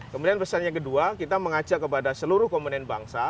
kemudian pesannya kedua kita mengajak kepada seluruh komponen bangsa